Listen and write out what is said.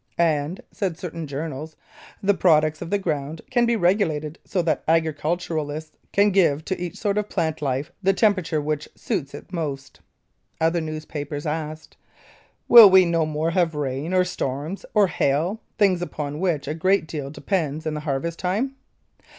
"And," said certain journals, "the products of the ground can be regulated so that agriculturists can give to each sort of plant life the temperature which suits it most." Other newspapers asked: "Will we no more have rain, or storms, or hail things upon which a great deal depends in the harvest time?"